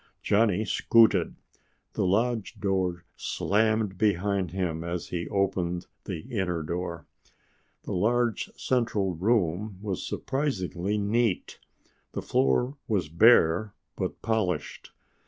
Johnny scooted. The lodge door slammed behind him and he opened the inner door. The large central room was surprisingly neat. The floor was bare but polished.